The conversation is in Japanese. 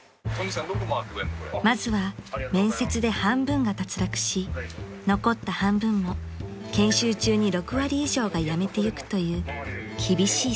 ［まずは面接で半分が脱落し残った半分も研修中に６割以上が辞めてゆくという厳しい世界］